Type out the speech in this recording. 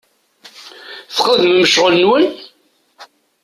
Txedmem ccɣel-nwen?